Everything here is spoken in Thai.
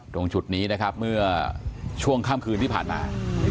ตรงจุดนี้นะครับเมื่อช่วงค่ำคืนที่ผ่านมา